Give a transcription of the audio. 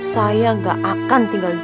saya gak akan tinggal